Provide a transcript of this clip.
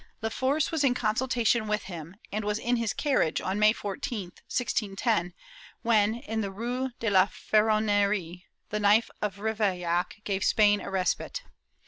La Force was in consultation with him, and was in his carriage on May 14, 1610, when, in the Rue de la Ferronerie, the knife of Ravaillac gave Spain a respite.'